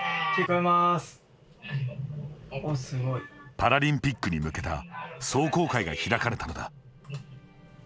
パラリンピックに向けた壮行会が開かれたのだ。